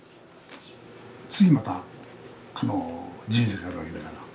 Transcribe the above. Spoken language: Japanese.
次また人生があるわけだから。